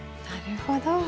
なるほど。